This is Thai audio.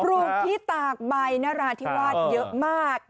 ลูกที่ตากใบนราธิวาสเยอะมาก